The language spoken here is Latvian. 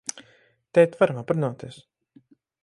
Tēt, varam aprunāties?